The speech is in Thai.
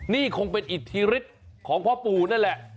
นี่คงเป็นอิทธิฤทธิ์ของพ่อปู่นั่นแหละ